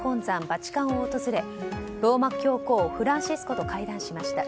バチカンを訪れローマ教皇フランシスコと会談しました。